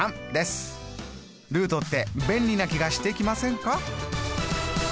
ルートって便利な気がしてきませんか？